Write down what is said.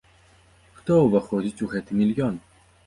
Хто ўваходзіць у гэты мільён?